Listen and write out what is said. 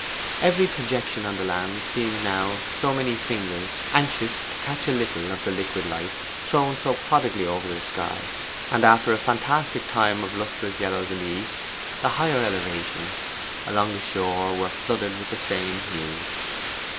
Every projection on the land seemed now so many fingers anxious to catch a little of the liquid light thrown so prodigally over the sky, and after a fantastic time of lustrous yellows in the east, the higher elevations along the shore were flooded with the same hues.